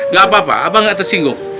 gak apa apa aba gak tersinggung